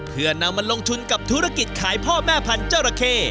เพื่อนำมาลงทุนกับธุรกิจขายพ่อแม่พันธุ์เจ้าระเข้